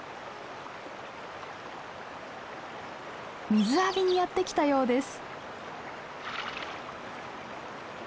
水浴びにやって来たようです。